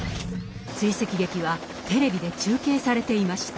追跡劇はテレビで中継されていました。